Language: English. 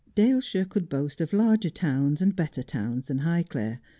Daleshire could boast of larger towns and better towns than Highclere.